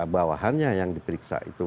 bawahannya yang diperiksa itu